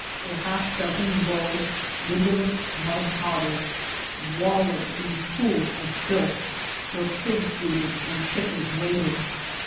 A half dozen low, windowless, mud hovels, wallowed in pools of filth where pigs rooted and chick ens waded.